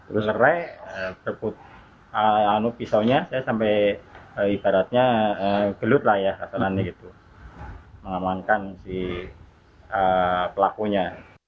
lerai terput anu pisaunya saya sampai ibaratnya gelut lah ya mengamankan si pelakunya